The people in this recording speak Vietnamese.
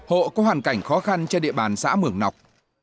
hộ có hoàn cảnh khó khăn trên địa bàn xã mường nọc